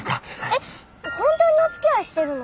えっ本当におつきあいしてるの？